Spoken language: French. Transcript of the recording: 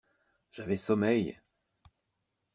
J'avais sommeil.